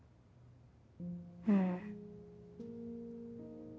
うん。